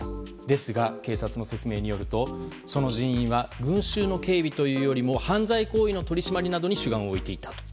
ですが、警察の説明によるとその人員は群衆の警備というよりも犯罪行為の取り締まりなどに主眼を置いていた。